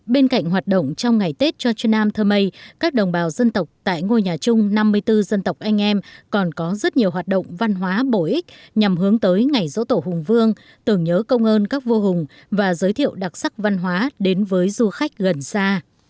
bên cạnh hoạt động trong ngày tết cho trần nam thơ mây các đồng bào dân tộc tại ngôi nhà chung năm mươi bốn dân tộc anh em còn có rất nhiều hoạt động văn hóa bổ ích nhằm hướng tới ngày dỗ tổ hùng vương tưởng nhớ công ơn các vua hùng và giới thiệu đặc sắc văn hóa đến với du khách gần xa